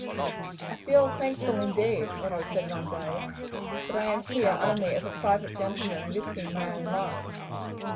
"I feel thankful indeed," Ronald said one day, "that I am here only as a private gentleman risking my own life.